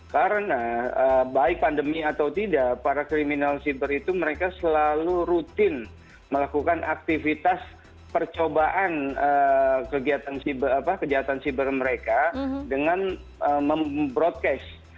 karena baik pandemi atau tidak para kriminal siber itu mereka selalu rutin melakukan aktivitas percobaan kegiatan siber mereka dengan mem broadcast